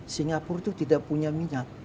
singapura itu tidak punya minat